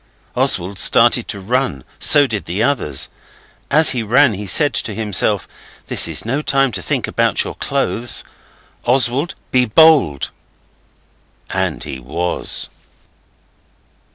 Oswald started to run; so did the others. As he ran he said to himself, 'This is no time to think about your clothes. Oswald, be bold!' And he was.